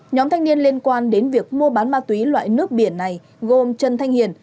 nhóm thanh niên liên quan đến việc mua bán ma túy loại nước biển này gồm trần thanh hiền